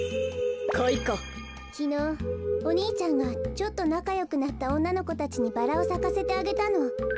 きのうお兄ちゃんがちょっとなかよくなったおんなのこたちにバラをさかせてあげたの。